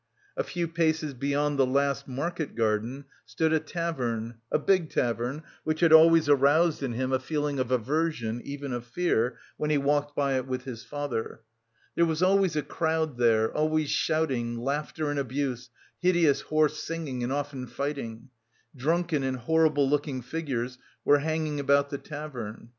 A few paces beyond the last market garden stood a tavern, a big tavern, which had always aroused in him a feeling of aversion, even of fear, when he walked by it with his father. There was always a crowd there, always shouting, laughter and abuse, hideous hoarse singing and often fighting. Drunken and horrible looking figures were hanging about the tavern.